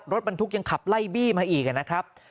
รถบรรทุกยังขับไล่บี้มาอีกนะครับ